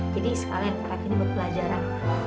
jadi sekalian para kini buat pelajaran